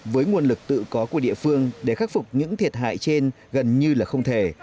với nguồn lực tự có của địa phương để khắc phục những thiệt hại trên gần như là không thể